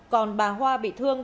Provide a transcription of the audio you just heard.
còn bà hoa bị thương